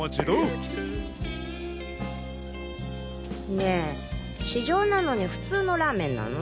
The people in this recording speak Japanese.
ねぇ市場なのに普通のラーメンなの？